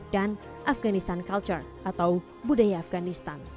afganistan culture atau budaya afganistan